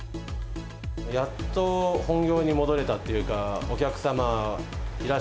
やっと本業に戻れたっていうか、お客様いらっ